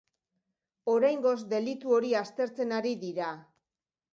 Oraingoz delitu hori aztertzen ari dira.